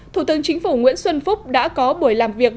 thủ tướng chính phủ nguyễn xuân phúc đã có buổi làm việc